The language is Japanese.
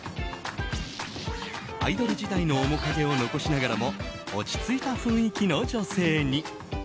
アイドル時代の面影を残しながらも落ち着いた雰囲気の女性に。